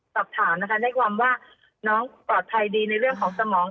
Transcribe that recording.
สอบถามนะคะได้ความว่าน้องปลอดภัยดีในเรื่องของสมอง